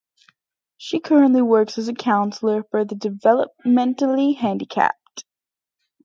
She currently works as a counsellor for the developmentally handicapped.